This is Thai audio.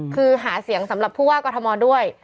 คือหาเสียงสำหรับภูอากอธมวาด้วย